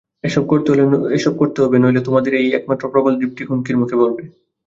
এসব করতে হবে, নইলে আমাদের এই একমাত্র প্রবালদ্বীপটি হুমকির মুখে পড়বে।